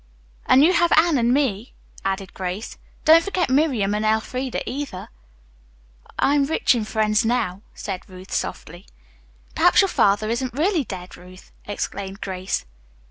"And you have Anne and me," added Grace. "Don't forget Miriam and Elfreda, either." "I am rich in friends now," said Ruth softly. "Perhaps your father isn't really dead, Ruth!" exclaimed Grace.